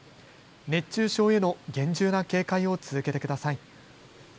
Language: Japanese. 熱中症への厳重な警戒を続けてください。